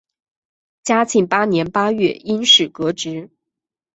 嘉庆八年八月因事革职。